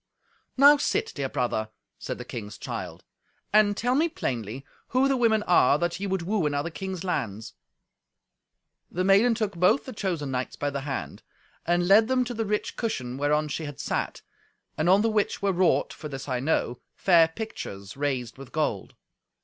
"Now sit, dear brother," said the king's child, "and tell me plainly who the women are that ye would woo in other kings' lands." The maiden took both the chosen knights by the hand, and led them to the rich cushion whereon she had sat, and on the which were wrought (for this I know) fair pictures raised with gold.